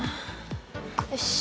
よし。